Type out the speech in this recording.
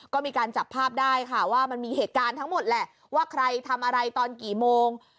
ก็มีการจับภาพได้ค่ะว่ามันมีเหตุการณ์ทั้งหมดแหละว่าใครทำอะไรตอนกี่โมง